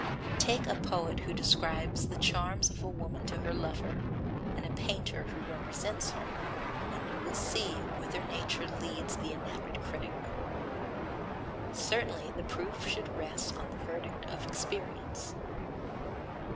Take a poet who describes the charms of a woman to her lover, and a painter who represents her, and you will see whither nature leads the enamoured critic. Certainly the proof should rest on the verdict of experience.